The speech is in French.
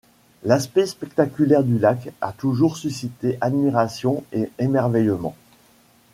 L'aspect spectaculaire du lac a toujours suscité admiration et émerveillement.